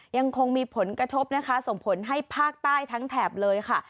ยังคงมีผลกระทบนะคะส่งผลให้ภาคใต้ทั้งแถบเลยค่ะ